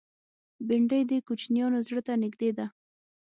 بېنډۍ د کوچنیانو زړه ته نږدې ده